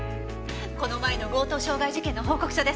この前の強盗傷害事件の報告書です。